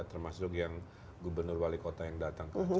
termasuk yang gubernur wali kota yang datang ke aceh